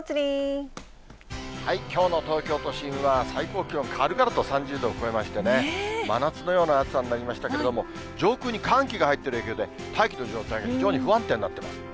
きょうの東京都心は、最高気温、軽々と３０度を超えましてね、真夏のような暑さになりましたけれども、上空に寒気が入ってる影響で、大気の状態が非常に不安定になっています。